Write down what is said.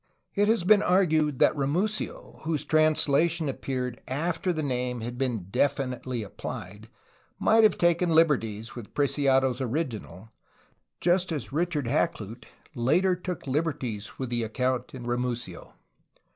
It has been argued that Ramusio, whose translation appeared after the name had been definitely applied, might have taken lib erties with Preciado's original, just as Richard Hakluyt later took liberties with the account in Ramusio.